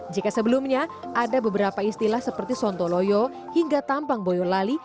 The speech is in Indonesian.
jika sebelumnya ada beberapa istilah seperti sontoloyo hingga tampang boyolali